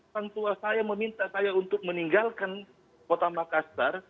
sang tua saya meminta saya untuk meninggalkan kota makassar